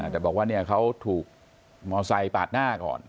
แต่บอกว่าเขาถูกมอไซค์ปาดหน้าก่อน